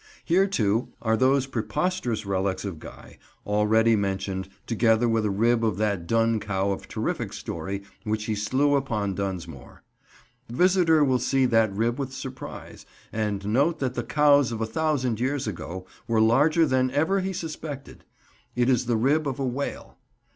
Here, too, are those preposterous relics of Guy, already mentioned, together with a rib of that Dun Cow of terrific story which he slew upon Dunsmore. The visitor will see that rib with surprise, and note that the cows of a thousand years ago were larger than ever he suspected. It is the rib of a whale.